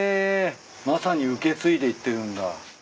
まさに受け継いでいってるんだ。